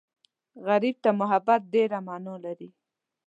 غریب ته محبت ډېره مانا لري